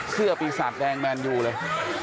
เสื้อปีศาจแดงแมนยูเลย